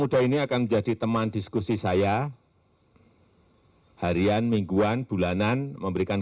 muda ini akan menjadi teman diskusi saya harian mingguan bulanan memberikan